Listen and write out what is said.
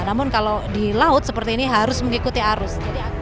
namun kalau di laut seperti ini harus mengikuti arus